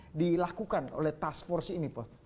apa yang dilakukan oleh task force ini prof